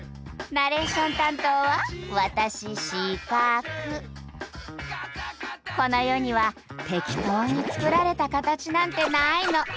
ナレーション担当は私四角この世には適当に作られたカタチなんてないの。